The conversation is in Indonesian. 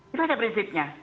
itu aja prinsipnya